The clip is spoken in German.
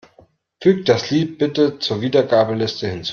Füg das Lied bitte zur Wiedergabeliste hinzu.